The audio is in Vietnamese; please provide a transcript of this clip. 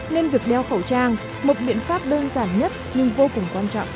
nên việc đeo khẩu trang một biện pháp đơn giản nhất nhưng vô cùng quan trọng